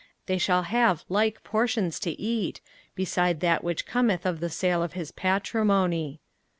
05:018:008 They shall have like portions to eat, beside that which cometh of the sale of his patrimony.